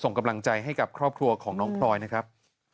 ส่งกำลังใจให้กับครอบครัวของน้องพลอยนะครับ